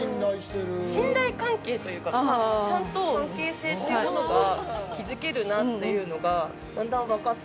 信頼関係というか、ちゃんと関係性というものが築けるなというのがだんだん分かって。